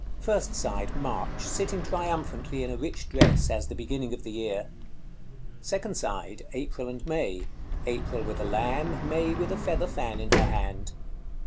First side. March. Sitting triumphantly in a rich dress, as the beginning of the year. Second side. April and May. April with a lamb: May with a feather fan in her hand.